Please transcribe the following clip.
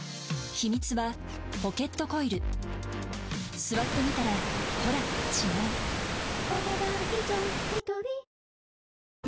秘密はポケットコイル座ってみたらほら違うお、ねだん以上。